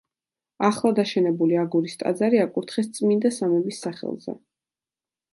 ახლად აშენებული აგურის ტაძარი აკურთხეს წმინდა სამების სახელზე.